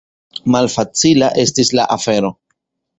Malfacila estis la afero.